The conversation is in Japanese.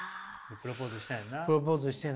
プロポーズしたんやな。